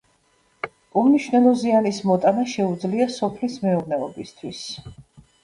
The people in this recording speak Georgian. უმნიშვნელო ზიანის მოტანა შეუძლია სოფლის მეურნეობისათვის.